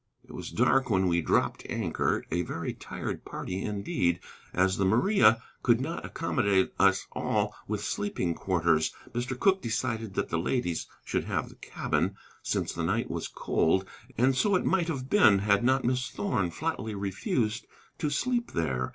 It was dark when we dropped anchor, a very tired party indeed; and as the Maria could not accommodate us all with sleeping quarters, Mr. Cooke decided that the ladies should have the cabin, since the night was cold. And so it might have been, had not Miss Thorn flatly refused to sleep there.